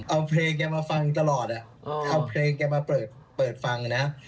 เอาเพลงแกมาฟังตลอดเอาเพลงแกมาเปิดฟังนะ